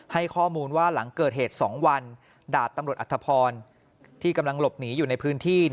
ให้ข้อมูลว่าหลังเกิดเหตุ๒วันดาบตำรวจอัธพรที่กำลังหลบหนีอยู่ในพื้นที่